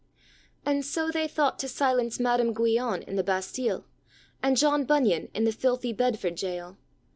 And so they thought to silence Madam Guyon in the Bastille, and John Bunyon in the filthy Bedford jail.